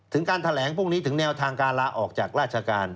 การแถลงพรุ่งนี้ถึงแนวทางการลาออกจากราชการ